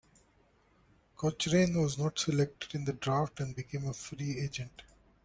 Cochrane was not selected in the draft and became a free agent.